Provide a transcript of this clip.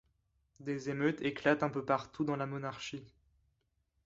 Des émeutes éclatent un peu partout dans la monarchie.